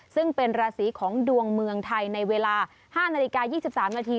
ซึ่งเป็นราศีของดวงเมืองไทยในเวลา๕นาฬิกา๒๓นาที